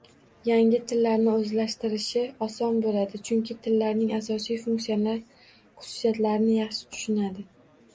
Yangi tillarni o’zlashtirishi oson bo’ladi, chunki tillarning asosiy funksional xususiyatlarini yaxshi tushunadi